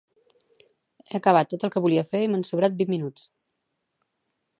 He acabat tot el que volia fer i m'han sobrat vint minuts